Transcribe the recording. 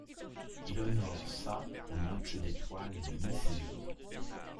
Il honore sa au match d'étoiles de mi-saison.